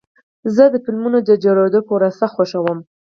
زه د فلمونو د جوړېدو پروسه خوښوم.